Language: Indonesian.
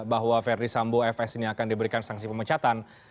bahwa verdi sambo fs ini akan diberikan sanksi pemecatan